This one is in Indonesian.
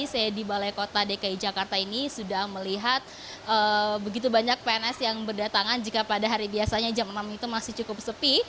saya di balai kota dki jakarta ini sudah melihat begitu banyak pns yang berdatangan jika pada hari biasanya jam enam itu masih cukup sepi